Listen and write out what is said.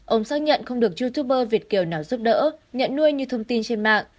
ông xác nhận không được youtuber việt kiều nào giúp đỡ nhận nuôi như thông tin trên mạng